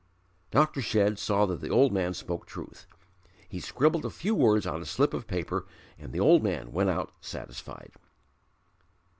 Dr. Shedd saw that the old man spoke truth; he scribbled a few words on a slip of paper and the old man went out satisfied.